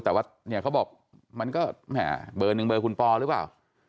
แต่ว่าเนี่ยเขาบอกมันก็แหม่เบอร์หนึ่งเบอร์คุณปอหรือเปล่า